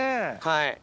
はい。